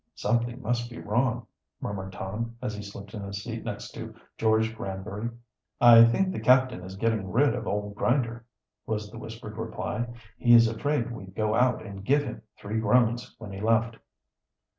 "Something must be wrong," murmured Tom, as he slipped in a seat next to George Granbury. "I think the captain is getting rid of old Grinder," was the whispered reply. "He's afraid we'd go out and give him three groans when he left."